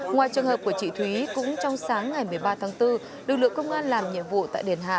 ngoài trường hợp của chị thúy cũng trong sáng ngày một mươi ba tháng bốn lực lượng công an làm nhiệm vụ tại đền hạ